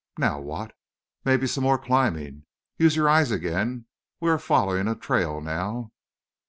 Now what?" "Maybe some more climbing. Use your eyes again. We are following a trail now."